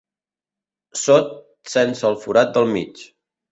Sot sense el forat del mig.